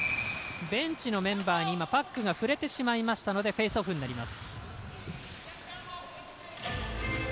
ベンチのメンバーにパックが触れてしまいましたのでフェイスオフになります。